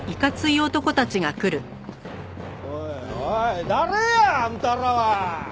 おいおい誰や？あんたらは。